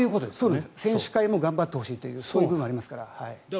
選手会も頑張ってほしいというのがありますから。